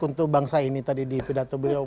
untuk bangsa ini tadi di pidato beliau